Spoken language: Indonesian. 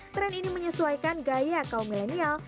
tren ini menyesuaikan gaya kaum milenial